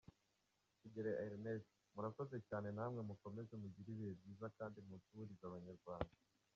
Sugira Ernest: Murakoze cyane namwe mukomeze mugire ibihe byiza kandi munsuhurize abanyarwanda.